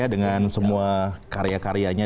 dengan semua karya karyanya